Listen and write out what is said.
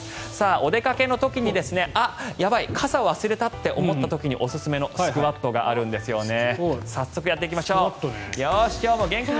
お出かけの時にあっ、やばい傘を忘れたと思った時におすすめのスクワットがあるんですよね。